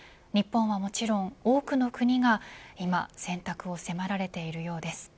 日本はもちろん多くの国が今、選択を迫られているようです。